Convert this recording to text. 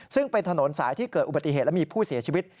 ซึ่งเป็นถนนสายที่เกิดอุบัติเหตุและมีผู้เสียชีวิต